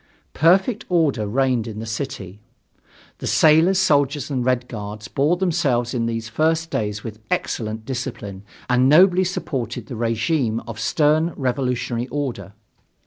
Perfect order reigned in the city. The sailors, soldiers and the Red Guards bore themselves in these first days with excellent discipline and nobly supported the regime of stern revolutionary order.